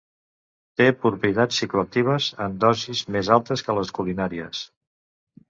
Té propietats psicoactives en dosis més altes que les culinàries.